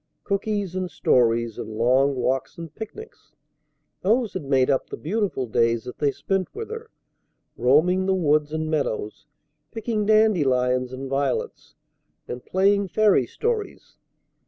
Cookies and stories and long walks and picnics! Those had made up the beautiful days that they spent with her, roaming the woods and meadows, picking dandelions and violets, and playing fairy stories.